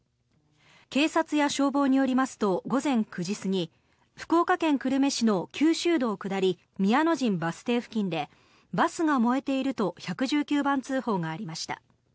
警察や消防によりますと午前９時過ぎ福岡県久留米市の九州道下り宮の陣バス停付近でバスが燃えていると１１９番通報がありました。